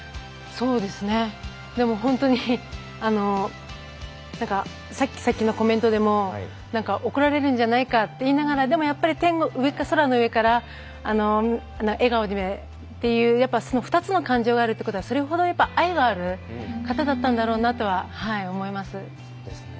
でも本当にさっきのコメントでも怒られるんじゃないかって言いながらでもやっぱり空の上から笑顔でっていうその２つの感情があるということはそれほど愛がある方だったんだろうなとは思います。